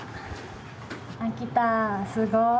すごい。